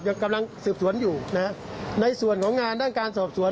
กำลังสืบสวนอยู่นะฮะในส่วนของงานด้านการสอบสวน